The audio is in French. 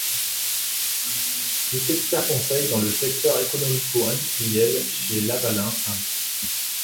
Fut expert-conseil dans le secteur économico-industriel chez Lavalin inc.